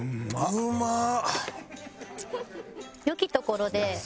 うまっ！